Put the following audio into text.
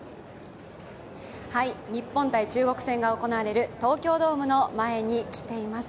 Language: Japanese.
日本×中国戦が行われる東京ドームの前に来ています。